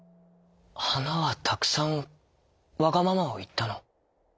「はなはたくさんわがままをいったの？」。